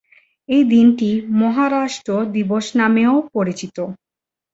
এই দিনটি মহারাষ্ট্র দিবস নামেও পরিচিত।